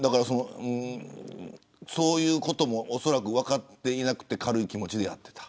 そういうこともおそらく分からずに軽い気持ちでやっていた。